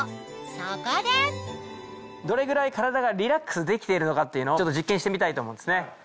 そこでどれぐらい体がリラックスできているのかっていうのをちょっと実験してみたいと思うんですね。